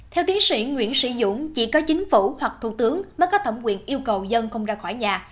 theo tiến sĩ nguyễn sĩ dũng chỉ có chính phủ hoặc thủ tướng mới có thẩm quyền yêu cầu dân không ra khỏi nhà